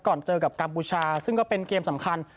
เจอกับกัมพูชาซึ่งก็เป็นเกมสำคัญ